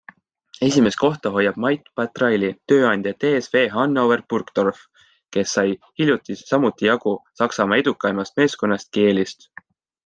Esimest kohta hoiab Mait Patraili tööandja TSV Hannover-Burgdorf, kes sai hiljuti samuti jagu Saksamaa edukaimast meeskonnast Kielist.